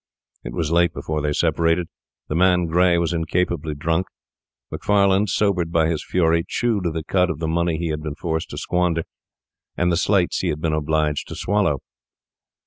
It was late before they separated; the man Gray was incapably drunk. Macfarlane, sobered by his fury, chewed the cud of the money he had been forced to squander and the slights he had been obliged to swallow.